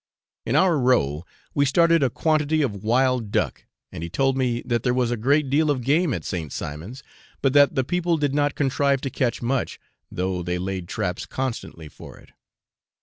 In our row we started a quantity of wild duck, and he told me that there was a great deal of game at St. Simon's, but that the people did not contrive to catch much, though they laid traps constantly for it.